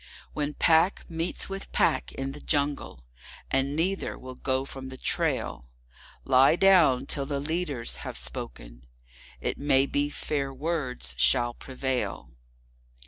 When Pack meets with Pack in the Jungle, and neither will go from the trail, Lie down till the leaders have spoken—it may be fair words shall prevail.